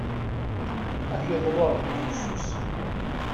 Ad ak-iḍlu Ṛebbi bufsus!